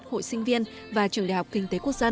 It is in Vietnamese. hội sinh viên và trường đại học kinh tế quốc dân